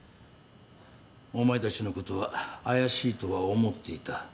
お前たちのことは怪しいとは思っていた。